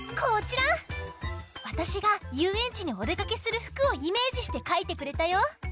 わたしがゆうえんちにおでかけするふくをイメージしてかいてくれたよ。